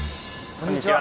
こんにちは。